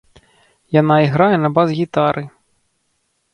Яна іграе на бас-гітары.